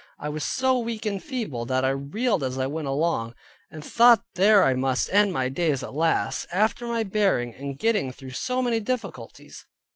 I was so weak and feeble, that I reeled as I went along, and thought there I must end my days at last, after my bearing and getting through so many difficulties.